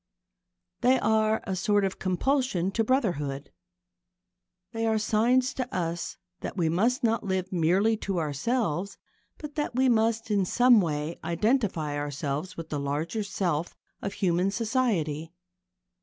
They are a sort of compulsion to brotherhood. They are signs to us that we must not live merely to ourselves, but that we must in some way identify ourselves with the larger self of human society.